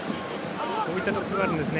こういった特徴があるんですね。